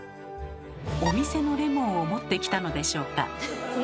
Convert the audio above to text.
お店のレモンを持ってきたのでしょうか。